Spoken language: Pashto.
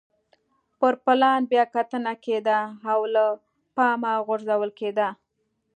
پر پلان به بیا کتنه کېده او له پامه غورځول کېده.